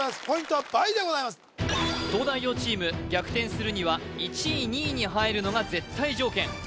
ポイントは倍でございます東大王チーム逆転するには１位・２位に入るのが絶対条件